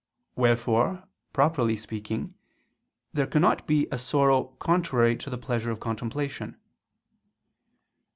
Wherefore, properly speaking, there cannot be a sorrow contrary to the pleasure of contemplation.